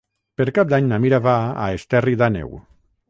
Per Cap d'Any na Mira va a Esterri d'Àneu.